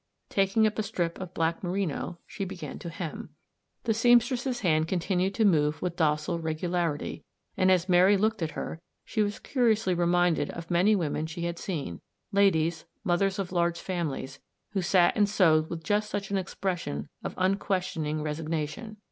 Taking up a strip of black merino, she began to hem. The seamstress' hand continued to move with docile regularity, and, as Mary looked at her, she was curiously reminded of many women she had seen : ladies, mothers of large families, who sat and sewed with just such an expression of unquestioning resigna tion.